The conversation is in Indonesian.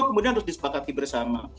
kemudian harus disepakati bersama